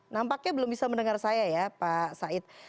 nampaknya belum bisa mendengar saya ya pak said